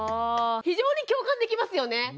非常に共感できますよね